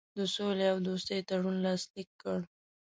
د سولي او دوستي تړون لاسلیک کړ.